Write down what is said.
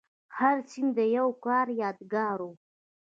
هر سند د یو کار یادګار و.